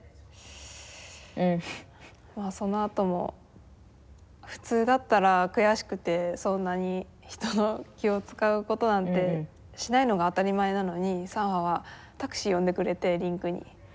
そのあとも普通だったら悔しくてそんなに人の気を遣うことなんてしないのが当たり前なのにサンファはタクシー呼んでくれてリンクに。